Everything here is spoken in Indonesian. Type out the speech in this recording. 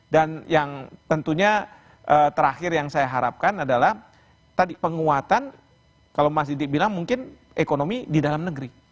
dan yang tentunya terakhir yang saya harapkan adalah tadi penguatan kalau masih dibilang mungkin ekonomi di dalam negeri